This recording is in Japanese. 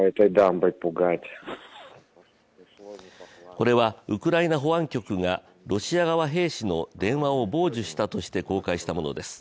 これは、ウクライナ保安局がロシア側兵士の電話を傍受したとして公開したものです。